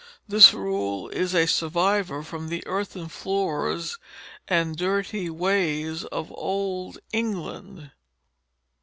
This rule is a survivor from the earthen floors and dirty ways of old England.